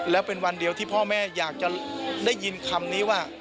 แล้วเป็นวันเดียวที่พ่อแม่อยากจะได้ยินคำนี้ว่า